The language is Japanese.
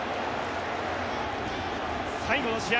最後の試合。